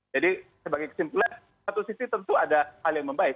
jadi sebagai kesimpulan satu sisi tentu ada hal yang membaik